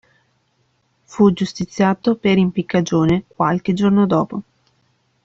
Fu giustiziato per impiccagione qualche giorno dopo.